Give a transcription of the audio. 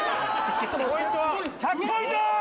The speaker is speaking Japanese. ポイントは１００ポイント！